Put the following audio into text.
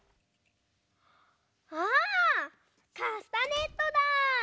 あカスタネットだ！